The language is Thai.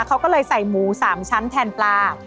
เขาก็เลยใส่หมู๓ชั้นแทนปลา